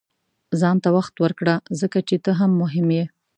• ځان ته وخت ورکړه، ځکه چې ته هم مهم یې.